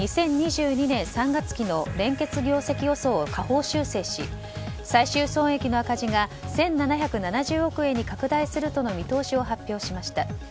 ２０２２年３月期の連結業績予想を下方修正し最終損益の赤字が１７７０億円に拡大するとの見通しを発表しました。